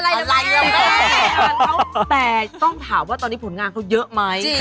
อะไรอ่ะแม่แต่ต้องถามว่าตอนนี้ผลงานเขาเยอะไหม